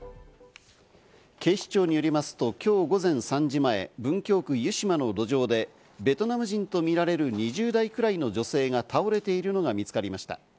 警視庁によりますと今日午前３時前、文京区・湯島の路上でベトナム人とみられる２０代くらいの女性が倒れているのが見つかりました。